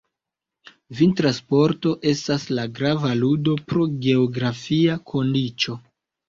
Vintra sporto estas la grava ludo pro geografia kondiĉo.